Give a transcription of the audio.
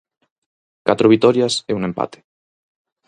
Catro vitorias e un empate.